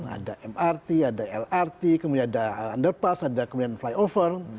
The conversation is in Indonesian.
ada mrt ada lrt kemudian ada underpass ada kemudian flyover